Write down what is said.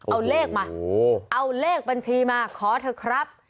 เอาเลขมาเอาเลขบัญชีมาขอเถอะครับ